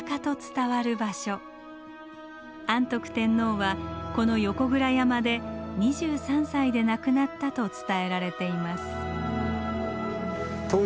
安徳天皇はこの横倉山で２３歳で亡くなったと伝えられています。